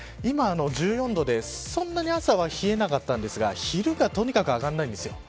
今１４度で、そんなに朝は冷えなかったんですが昼がとにかく上がらないんです。